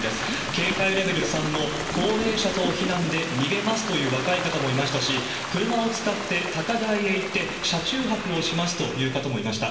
警戒レベル３の高齢者等避難で逃げますと言う若い方もいましたし、車を使って高台へ行って、車中泊をしますという方もいました。